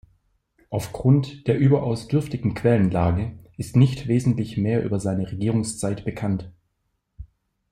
Aufgrund der überaus dürftigen Quellenlage ist nicht wesentlich mehr über seine Regierungszeit bekannt.